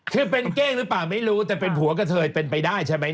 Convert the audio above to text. คือเป็นเก้งหรือเปล่าไม่รู้แต่เป็นผัวกระเทยเป็นไปได้ใช่ไหม